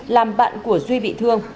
làm bạn của duy bị thương